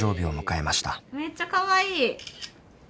めっちゃかわいい。